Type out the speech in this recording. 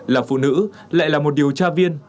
là phụ nữ lại là một điều tra viên